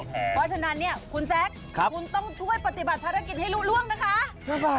เพราะฉะนั้นเนี่ยคุณแซคคุณต้องช่วยปฏิบัติภารกิจให้รู้ร่วงนะคะ